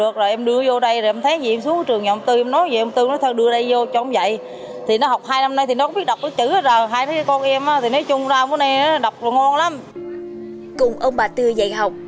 cùng ông bà tư dạy học